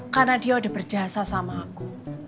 karena dia udah berjasa sama aku